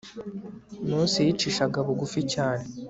mose yicishaga bugufi cyane